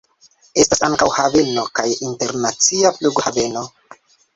Estas ankaŭ haveno kaj internacia flughaveno.